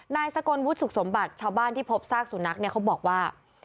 นายกลวุฒิสุขสมบัติชาวบ้านที่พบซากสุนัขเนี่ยเขาบอกว่า